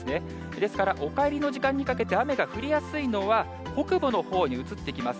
ですからお帰りの時間にかけて、雨が降りやすいのは、北部のほうに移ってきます。